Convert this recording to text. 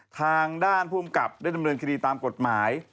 ทางด้านภูมิกับได้ดำเนินคดีตามกฎหมาย